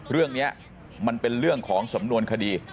เรื่องนี้มันเป็นเรื่องของสำนวนคดี